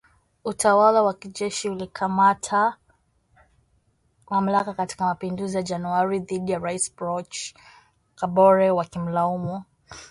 Utawala wa kijeshi ulikamata mamlaka katika mapinduzi ya Januari dhidi ya Rais Roch Kabore wakimlaumu